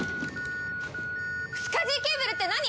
スカジーケーブルって何！？